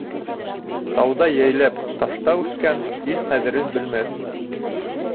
Тауҙа йәйләп, ташта үҫкән, ил ҡәҙерен белмәҫ.